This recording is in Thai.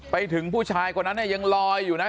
ไปถึงผู้ชายคนนั้นเนี่ยยังลอยอยู่นะ